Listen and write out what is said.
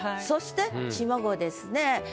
そして下五ですね。